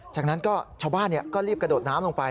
จากนั้นก็ชาวบ้านก็รีบกระโดดน้ำลงไป